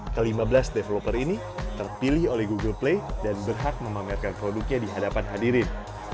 kelima belas developer ini terpilih oleh google play dan berhak memamerkan produknya di hadapan hadirin